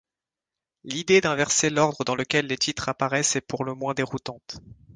L'idée d'inverser l'ordre dans lequel les titres apparaissent est pour le moins déroutante.